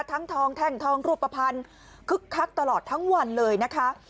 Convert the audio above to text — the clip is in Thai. ทองแท่งทองรูปภัณฑ์คึกคักตลอดทั้งวันเลยนะคะ